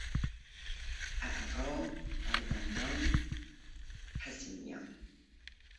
اعقاب، فرزندان، پسینیان